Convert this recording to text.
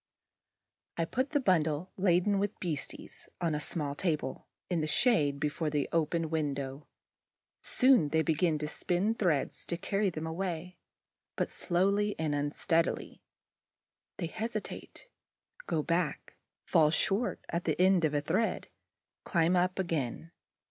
I put the bunch laden with beasties on a small table, in the shade, before the open window. Soon they begin to spin threads to carry them away, but slowly and unsteadily. They hesitate, go back, fall short at the end of a thread, climb up again.